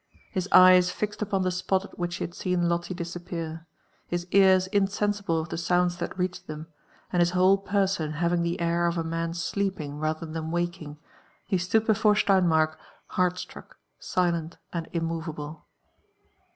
His eyes fixed upon the spot at which he had seen Lolte disetppear, his ears insensible of Ihe sounds that reached them, and his whole person having the air of a man sleeping rather JONATHAN JEFFERSON WHITLAW. |3S than waking, be stood before Steinmark heart slruck, silent, and inrt ' movable.